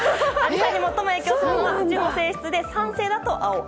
最も影響するのは土の性質、酸性度なんです。